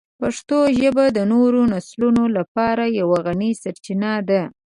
پښتو ژبه د نوو نسلونو لپاره یوه غني سرچینه ده.